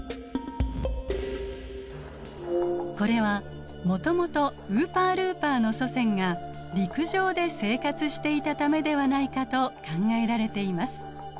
これはもともとウーパールーパーの祖先が陸上で生活していたためではないかと考えられています。